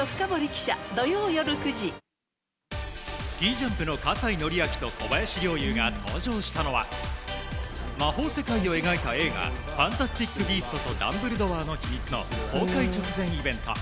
ＪＴスキージャンプの葛西紀明と小林陵侑が登場したのは魔法世界を描いた映画「ファンタスティック・ビーストとダンブルドアの秘密」の公開直前イベント。